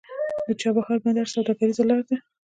د چابهار بندر سوداګریزه لاره ده